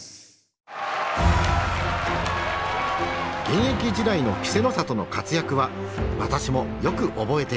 現役時代の稀勢の里の活躍は私もよく覚えています。